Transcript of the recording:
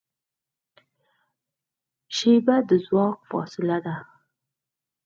شیبه د ځواک فاصله ده.